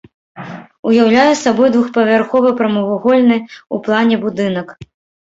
Уяўляе сабой двухпавярховы, прамавугольны ў плане будынак.